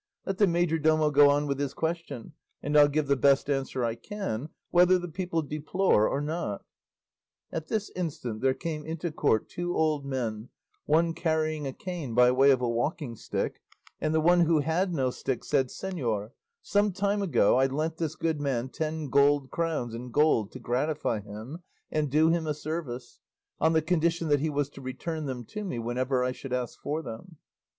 Let the majordomo go on with his question, and I'll give the best answer I can, whether the people deplore or not." At this instant there came into court two old men, one carrying a cane by way of a walking stick, and the one who had no stick said, "Señor, some time ago I lent this good man ten gold crowns in gold to gratify him and do him a service, on the condition that he was to return them to me whenever I should ask for them.